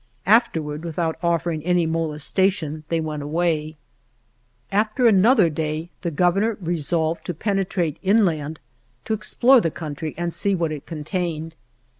Afterward, without offering any molesta tion, they went away. 10 ALVAR NUNEZ CABEZA DE VACA AFTER another day the Governor re solved to penetrate inland to ex plore the country and see what it contained.